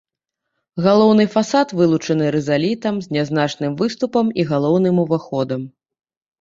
Галоўны фасад вылучаны рызалітам з нязначным выступам і галоўным уваходам.